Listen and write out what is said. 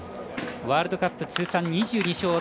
ワールドカップ通算２２勝。